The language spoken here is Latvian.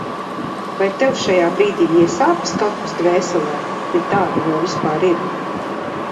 Vai tev šajā brīdī iesāpas kaut kas dvēselē, ja tāda vēl vispār ir?